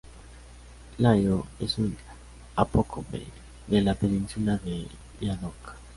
Liao es un apócope de la península de Liaodong.